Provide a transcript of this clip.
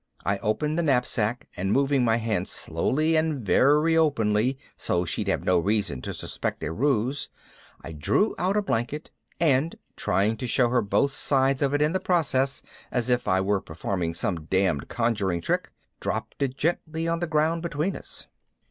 I opened the knapsack and moving my hand slowly and very openly so she'd have no reason to suspect a ruse, I drew out a blanket and, trying to show her both sides of it in the process, as if I were performing some damned conjuring trick, dropped it gently on the ground between us.